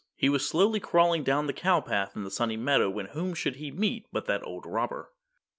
He was slowly crawling down the Cow Path in the Sunny Meadow when whom should he meet but that old robber.